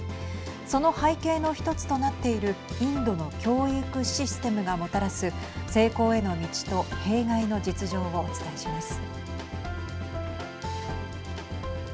その背景の一つとなっているインドの教育システムがもたらす成功への道と弊害の実情をお伝えします。